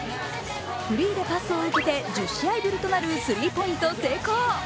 フリーでパスを受けて１０試合ぶりとなるスリーポイント成功。